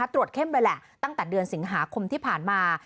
เข้มเลยแหละตั้งแต่เดือนสิงหาคมที่ผ่านมา